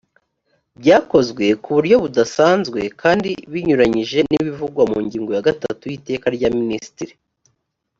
byakozwe ku buryo budasanzwe kandi binyuranyije n’ ibivugwa mu ngingo ya gatatu y’iteka rya minisitiri